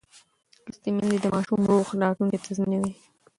لوستې میندې د ماشوم روغ راتلونکی تضمینوي.